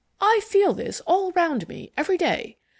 I feel this all round me, every day.